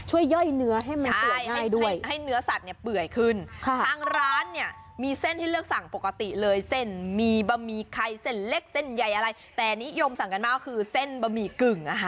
ย่อยเนื้อให้มันสวยง่ายด้วยให้เนื้อสัตว์เนี่ยเปื่อยขึ้นค่ะทางร้านเนี่ยมีเส้นให้เลือกสั่งปกติเลยเส้นมีบะหมี่ไข่เส้นเล็กเส้นใหญ่อะไรแต่นิยมสั่งกันมากคือเส้นบะหมี่กึ่งนะคะ